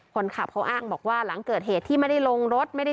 คนขับเขาอ้างบอกว่าหลังเกิดเหตุที่ไม่ได้ลงรถไม่ได้